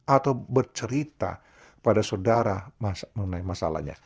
atau bercerita pada saudara mengenai masalahnya